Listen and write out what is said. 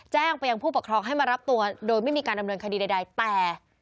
แจ้งไปยังผู้ปกครองให้มารับตัวโดยไม่มีการดำเนินคดีใดแต่